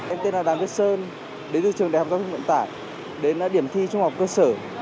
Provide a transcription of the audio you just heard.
em tên là đàm viết sơn đến từ trường đại học giao thông vận tải đến điểm thi trung học cơ sở